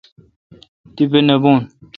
تیپہ نہ بھو۔